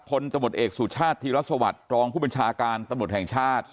คนตะหมดเอกสูตรชาติธิรัสสวัสดิ์รองผู้บัญชาการตะหมดแห่งชาติ